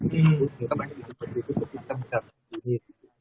kita pakai di situ kita bisa menggunakan ini